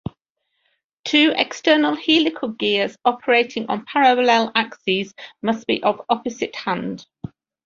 Two external helical gears operating on parallel axes must be of opposite hand.